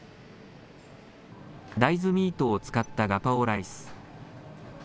大豆ミートを使ったガパオライス。